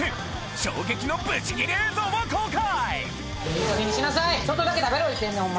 衝撃のブチ切れ映像を公開！